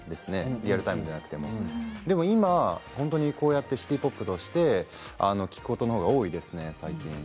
リアルタイムじゃなくても今、本当にこうやってシティ・ポップとして聴くことの方が多いですね、最近。